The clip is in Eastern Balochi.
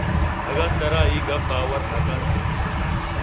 اگاں ترا اے گپّ باور نہ کنت